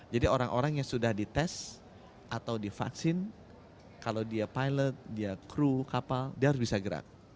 jadi orang orang yang sudah di tes atau di vaksin kalau dia pilot dia crew kapal dia harus bisa gerak